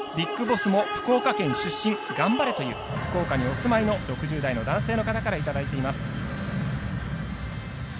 ＢＩＧＢＯＳＳも福岡県出身頑張れというメッセージも福岡にお住まいの６０代の男性の方からいただいています。